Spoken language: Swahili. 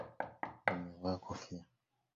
Nimevaa kofia